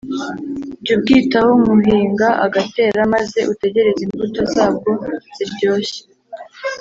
Jya ubwitaho nk’uhinga agatera, maze utegereze imbuto zabwo ziryoshye;